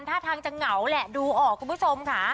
ท่าทางจะเหงาแหละดูออกคุณผู้ชมค่ะ